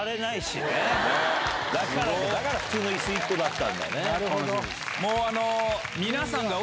だから普通のイス１個だったんだね。